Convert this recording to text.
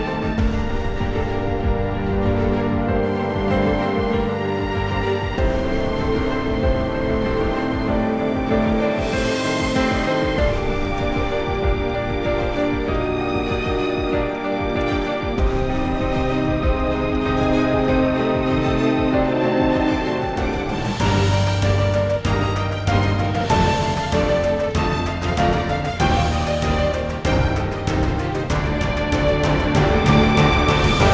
elsa ada bersama ricky